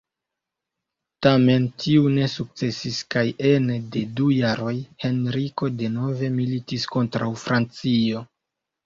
Tamen tiu ne sukcesis, kaj ene de du jaroj Henriko denove militis kontraŭ Francio.